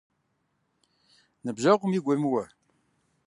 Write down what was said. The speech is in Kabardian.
Ныбжъэгъум игу уемыуэ.